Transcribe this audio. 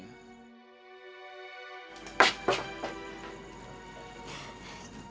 dan mencari jalan ke sana